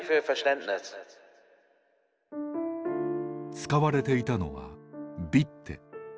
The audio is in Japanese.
使われていたのは「ビッテ」